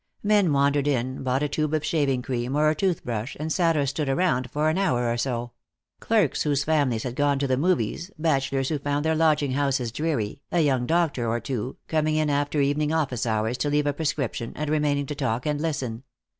Men wandered in, bought a tube of shaving cream or a tooth brush, and sat or stood around for an hour or so; clerks whose families had gone to the movies, bachelors who found their lodging houses dreary, a young doctor or two, coming in after evening office hours to leave a prescription, and remaining to talk and listen.